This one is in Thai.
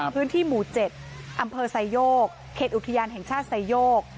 พื้นที่หมู่๗อำเภอไซโยกเขตอุทยานแห่งชาติไซโยก